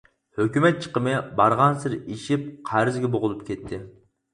ھۆكۈمەت چىقىمى بارغانسېرى ئېشىپ قەرزگە بوغۇلۇپ كەتتى.